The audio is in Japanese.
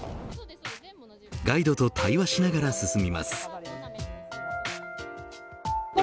ガイドと対話しながら進みます。